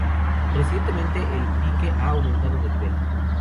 Recientemente, el pique ha aumentado de nivel.